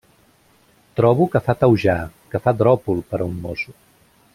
Trobo que fa taujà, que fa dròpol per a un mosso…